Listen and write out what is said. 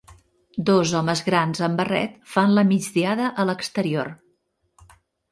Dos homes grans amb barret fan la migdiada a l'exterior